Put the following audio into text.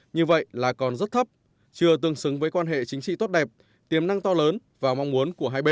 như vậy là còn rất thấp chưa tương xứng với quan hệ chính trị tốt đẹp tiềm năng to lớn và mong muốn của hai bên